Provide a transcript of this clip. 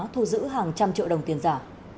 thu giữ hàng trăm triệu đồng tiền giả